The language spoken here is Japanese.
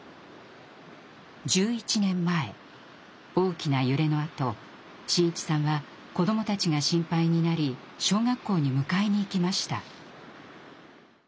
１１年前大きな揺れのあと伸一さんは子どもたちが心配になり小学校に迎えに行きました。